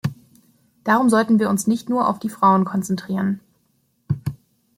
Darum sollten wir uns nicht nur auf die Frauen konzentrieren.